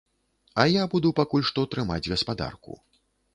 А я буду пакуль што трымаць гаспадарку.